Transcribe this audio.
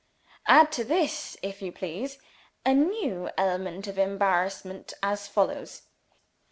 Add to this, if you please, a new element of embarrassment as follows.